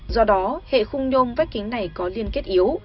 do đó hệ khung nhôm vách kính này có liên kết yếu